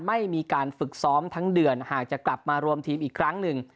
ไม่มีการฝึกซ้อมทั้งเดือนหากจะกลับมารวมทีมอีกครั้งหนึ่ง